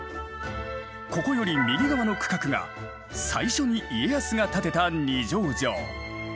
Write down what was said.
ここより右側の区画が最初に家康が建てた二条城。